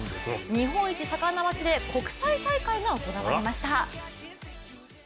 日本一盛んな町で国際大会が行われました。